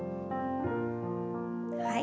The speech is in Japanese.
はい。